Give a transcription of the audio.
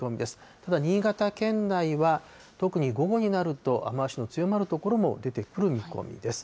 ただ新潟県内は、特に午後になると、雨足の強まる所も出てくる見込みです。